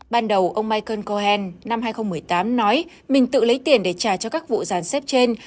ban đầu ông michael cohen năm hai nghìn một mươi tám nói mình tự lấy tiền để trả tiền cho bà daniels